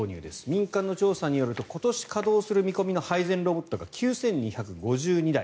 民間の調査によると今年稼働する見込みの配膳ロボットが９２５２台。